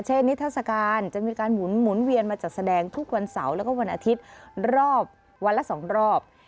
นิทัศกาลจะมีการหมุนเวียนมาจัดแสดงทุกวันเสาร์แล้วก็วันอาทิตย์รอบวันละ๒รอบ